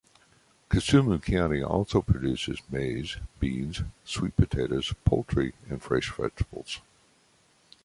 Kisumu County also produces maize, beans, sweet potatoes, poultry and fresh vegetables.